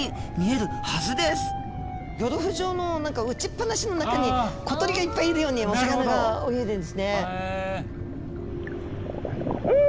スタジオゴルフ場の何か打ちっぱなしの中に小鳥がいっぱいいるようにお魚が泳いでるんですね。